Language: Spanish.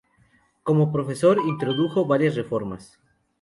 Como profesor introdujo varias reformas.